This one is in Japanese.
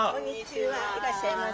いらっしゃいませ。